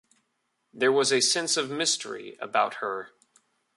There was a sense of mystery about her.